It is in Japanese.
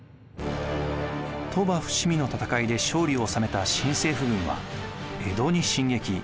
鳥羽・伏見の戦いで勝利を収めた新政府軍は江戸に進撃。